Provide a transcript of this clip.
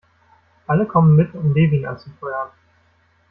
Alle kommen mit, um Levin anzufeuern.